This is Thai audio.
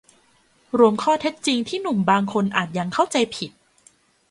รวมข้อเท็จจริงที่หนุ่มบางคนอาจยังเข้าใจผิด